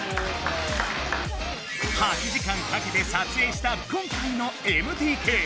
８時間かけて撮影した今回のＭＴＫ！